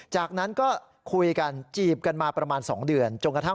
จากนั้นก็คุยกันจีบกันมาประมาณ๒เดือน